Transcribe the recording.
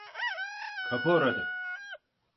Kapı orada.